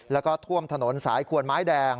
แล้วก็ท่วมถนนสายขวนไม้แดง